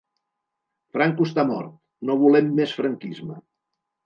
Franco està mort, no volem més franquisme.